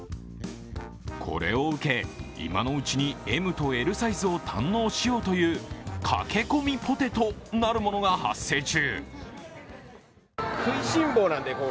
これ受け、今のうちにＭとＬサイドを堪能しようという駆け込みポテトなるものが発生中。